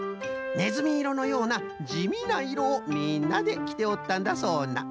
ねずみいろのようなじみないろをみんなできておったんだそうな。